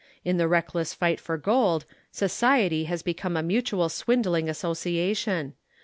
In the reckless fight for gold Society has become a mutual swindling association.